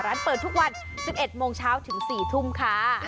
ร้านเปิดทุกวัน๑๑โมงเช้าถึง๔ทุ่มค่ะ